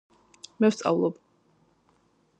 მე ვსწავლობ